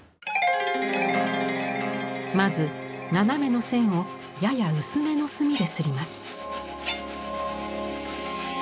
まず斜めの線をやや薄めの墨で摺ります。